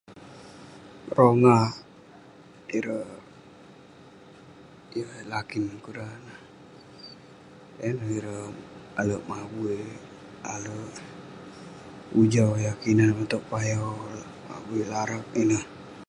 Rongah ireh...ireh lakin kurah ineh..yah neh ireh alek mabui, alek ujau yah kinan konak towk payau, mabui, larak..ineh..